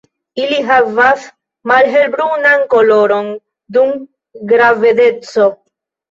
Ili havas malhelbrunan koloron dum gravedeco.